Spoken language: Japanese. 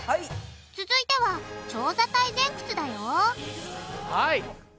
続いては長座体前屈だよはい！